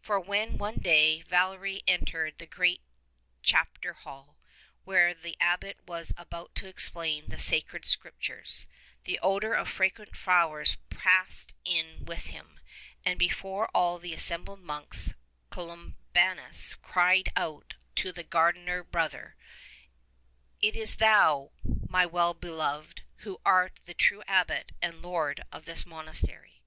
For when one day Valery entered the great chapter hall where the Abbot was about to explain the Sacred Scriptures, the odour of fragrant flowers passed in with him, and before all the assembled monks Columbanus cried out to the gar dener Brother, "It is thou, my well beloved, who art the true abbot and lord of this monastery."